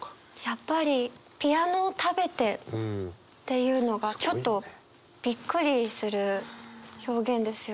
やっぱり「ピアノを食べて」っていうのがちょっとびっくりする表現ですよね。